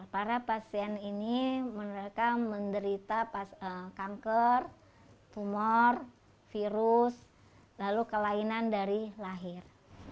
para pasien ini mereka menderita kanker tumor virus lalu kelainan dari lahir